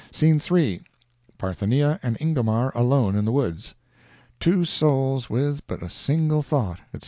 Scene 3.—Parthenia and Ingomar alone in the woods. "Two souls with but a single thought, etc."